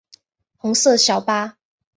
红色小巴